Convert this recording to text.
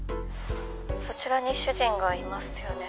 そちらに主人がいますよね。